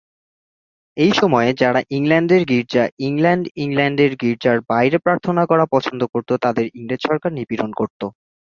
এই সময়ে, যাঁরা ইংল্যান্ডের গির্জা ইংল্যান্ড ইংল্যান্ডের গীর্জার বাইরে প্রার্থনা করা পছন্দ করত তাদের ইংরেজ সরকার নিপীড়ন করত।